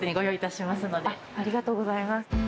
ありがとうございます。